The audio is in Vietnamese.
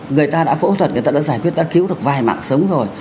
người ta đã phẫu thuật người ta đã giải quyết ta cứu được vài mạng sống rồi